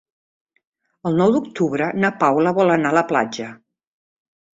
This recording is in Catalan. El nou d'octubre na Paula vol anar a la platja.